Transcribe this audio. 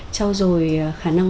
trao dồi khả năng ngoại ngữ